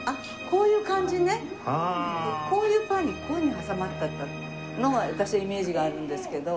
こういうパンにこういうふうに挟まってあったのが私はイメージがあるんですけど。